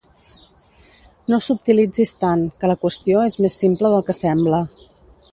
No subtilitzis tant, que la qüestió és més simple del que sembla.